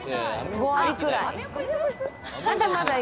５割くらい。